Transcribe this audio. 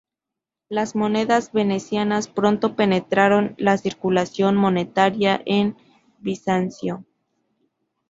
Las monedas venecianas pronto penetraron la circulación monetaria en Bizancio.